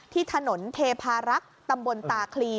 ที่ถนนเทพารักษ์ตำบลตาคลี